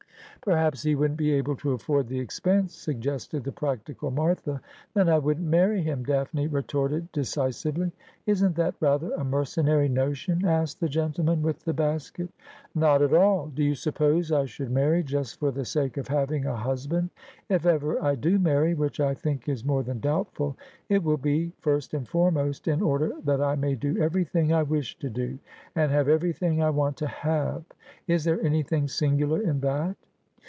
' Perhaps he wouldn't be able to afford the expense,' suggested the practical Martha. ' Then I wouldn't marry him,' Daphne retorted decisively. ' Isn't that rather a mercenary notion ?' asked the gentleman with the basket. ' Not at all. Do you suppose I should marry just for the sake of having a husband ? If ever I do marry — which I think is more than doubtful — it will be, first and foremost, in order that I may do everything I wish to do, and have everything I want to have. Is there anything singular in that